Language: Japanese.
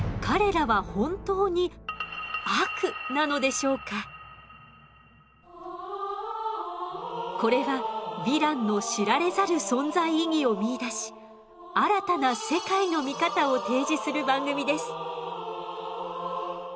しかし彼らはこれはヴィランの知られざる存在意義を見いだし新たな世界の見方を提示する番組です。